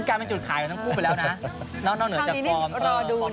อ่าหน้างานเหรอ